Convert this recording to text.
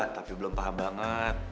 tapi belum paham banget